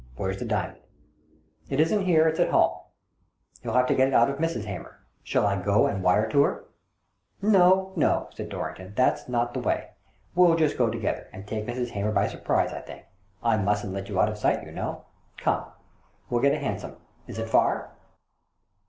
Where's the diamond ?" "It isn't here — it's at home. You'll have to get it out of Mrs. Hamer. Shall I go and wire to her?" " No, no," said Dorrington, " that's not the way. We'll just go together, and take Mrs. Hamer by surprise, I think. I mustn't let you out of sight, you know. Come, we'll get a hansom. Is it far?